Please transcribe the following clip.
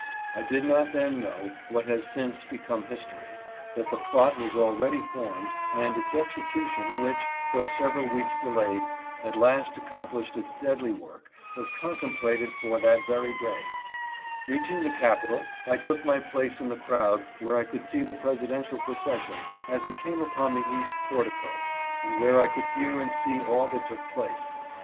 I did not then know, what has since become history, that the plot was already formed and its execution which, though several weeks delayed, at last accomplished its deadly work was contemplated for that very day. Reaching the Capitol, I took my place in the crowd where I could see the presidential procession as it came upon the INAUGUEATION PROCESSION. 441 east portico, and where I could hear and see all that took place.